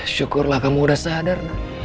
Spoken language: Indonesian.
syukurlah kamu udah sadar